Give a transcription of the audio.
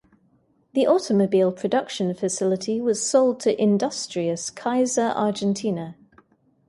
The automobile production facility was sold to Industrias Kaiser Argentina.